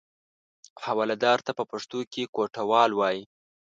حوالهدار ته په پښتو کې کوټوال وایي.